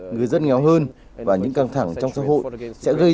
người dân nghèo hơn và những căng thẳng trong xã hội sẽ gây ra sự đổ bớt